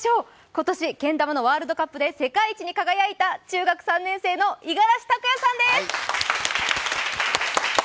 今年けん玉のワールドカップで世界一に輝いた中学３年生の五十嵐拓哉さんです。